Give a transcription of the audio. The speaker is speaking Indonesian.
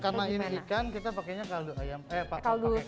karena ini ikan kita pakainya kaldu ayam eh pak pakai kaldu ikan